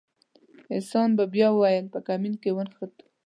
احسان به بیا ویل په کمین کې ونښتو.